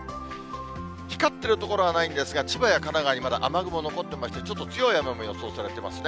光っている所はないんですが、千葉や神奈川にまだ雨雲残ってまして、ちょっと強い雨も予想されていますね。